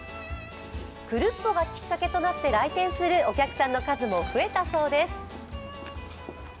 クルッポがきっかけとして来店するお客さんの数も増えたそうです。